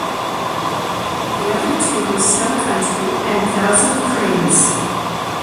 The other two were "Snow Country" and "Thousand Cranes".